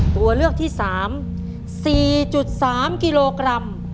ตัวเลือกที่๓๔๓กิโลกรัม